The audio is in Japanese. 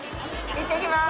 いってきます！